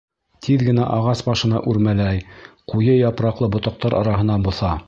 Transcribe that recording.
Тиҙ генә ағас башына үрмәләй, ҡуйы япраҡлы ботаҡтар араһына боҫа.